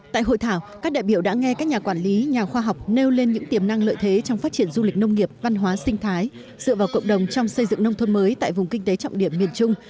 tại hội thảo các đại biểu đã nghe các nhà quản lý nhà khoa học nêu lên những tiềm năng lợi thế trong phát triển du lịch nông nghiệp văn hóa sinh thái dựa vào cộng đồng trong xây dựng nông thôn mới tại vùng kinh tế trọng điểm miền trung